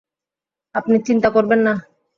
আপনি চিন্তা করবেন না।